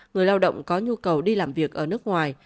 người lao động có nhu cầu đi làm việc ở nước ngoài